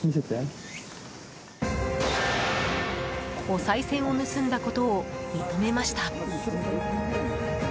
おさい銭を盗んだことを認めました。